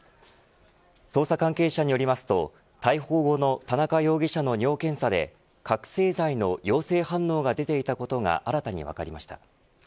捜査関係者によりますと逮捕後の田中容疑者の尿検査で覚せい剤の陽性反応が出ていたことが新たに分かりました。